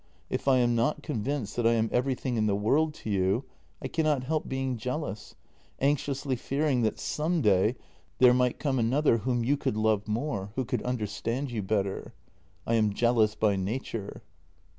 If I am not convinced that I am everything in the world to you, I cannot help being jealous — anxiously fearing that some day there might come another whom you could love more, who could understand you better. I am jealous by nature."